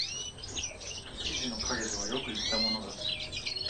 一樹の蔭とはよく云ったものだ